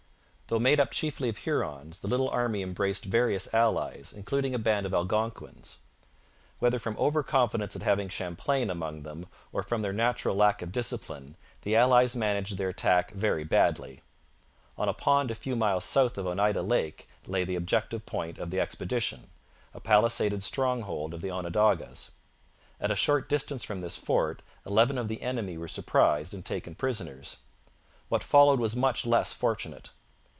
Though made up chiefly of Hurons, the little army embraced various allies, including a band of Algonquins. Whether from over confidence at having Champlain among them or from their natural lack of discipline, the allies managed their attack very badly. On a pond a few miles south of Oneida Lake lay the objective point of the expedition a palisaded stronghold of the Onondagas. At a short distance from this fort eleven of the enemy were surprised and taken prisoners. What followed was much less fortunate.